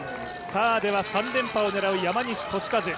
では、３連覇を狙う山西利和